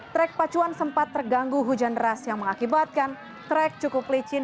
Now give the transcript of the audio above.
trek pacuan sempat terganggu hujan deras yang mengakibatkan trek cukup licin